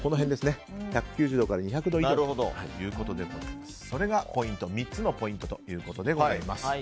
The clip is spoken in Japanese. １９０度から２００度以上ということでそれが３つのポイントということでございます。